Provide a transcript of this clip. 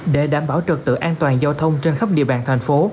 để đảm bảo trật tự an toàn giao thông trên khắp địa bàn thành phố